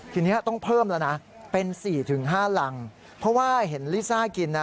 ทีนี้ต้องเพิ่มแล้วนะเป็น๔๕รังเพราะว่าเห็นลิซ่ากินนะ